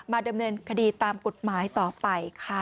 ดำเนินคดีตามกฎหมายต่อไปค่ะ